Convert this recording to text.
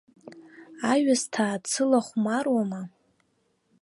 Аҩысҭаа дсылахәмаруама!